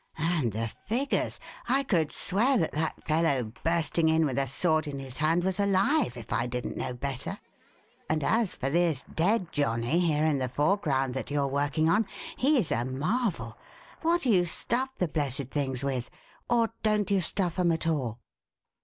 And the figures! I could swear that that fellow bursting in with a sword in his hand was alive if I didn't know better; and as for this dead johnnie here in the foreground that you're working on, he's a marvel. What do you stuff the blessed things with? Or don't you stuff 'em at all?"